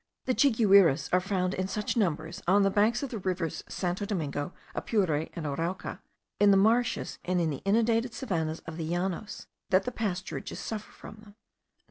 The chiguires are found in such numbers on the banks of the rivers Santo Domingo, Apure, and Arauca, in the marshes and in the inundated savannahs* of the Llanos, that the pasturages suffer from them.